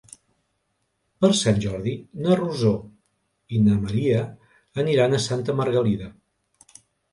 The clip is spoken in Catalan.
Per Sant Jordi na Rosó i na Maria aniran a Santa Margalida.